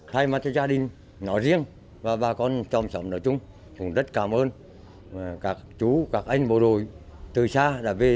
thay mặt cho gia đình nó riêng và bà con trong xã hội nói chung chúng rất cảm ơn các chú các anh bộ đội từ xa đã về